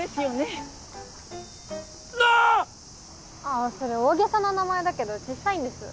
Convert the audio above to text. あそれ大げさな名前だけどちっさいんです。